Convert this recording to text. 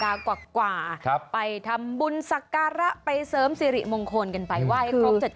สำค้ากว่ากว่าไปทำบุญแสกระไปเสริมสิริมงคลเกินไปว่ายครบ๗ครั้ง